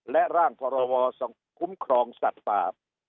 และร่างพรวคุ้มครองสัตว์ป่า